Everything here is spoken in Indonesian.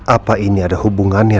apa ini ada hubungannya